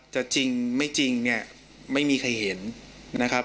จะจริงไม่จริงไม่มีใครเห็นนะครับ